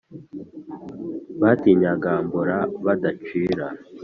Batinyagambura badacira